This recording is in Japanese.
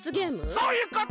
そういうこと！